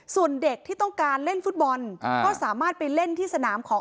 ส่วนเด็กที่ต้องการเล่นฟุตบอลก็สามารถไปเล่นที่สนามของ